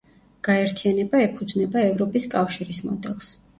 გაერთიანება ეფუძნება ევროპის კავშირის მოდელს.